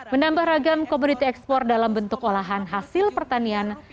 menambah ragam komoditi ekspor dalam bentuk olahan hasil pertanian